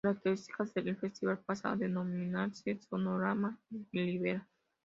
Características: El festival pasa a denominarse: "Sonorama Ribera".